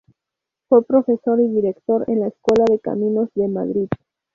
Fue profesor y director en la Escuela de Caminos de Madrid.